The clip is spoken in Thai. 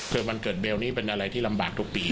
วันเกิดเบลนี่เป็นอะไรที่ลำบากทุกปี